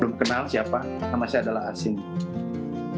belum kenal siapa namanya adalah asin